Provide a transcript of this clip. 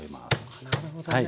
あなるほどね。